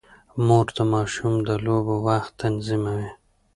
مور د ماشوم د لوبو وخت تنظیموي.